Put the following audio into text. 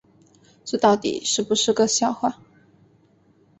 这到底是不是个笑话